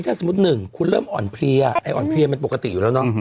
ผมเนี่ยเริ่มอ่ายแล้ว